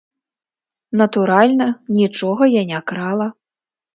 Натуральна, нічога я не крала.